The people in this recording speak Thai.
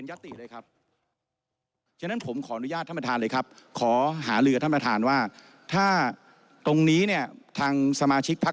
อ่ะทันทีที่มีการประท้วงเสร็จปุ๊บ